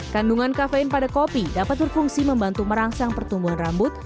kandungan kafein pada kopi dapat berfungsi membantu merangsang pertumbuhan rambut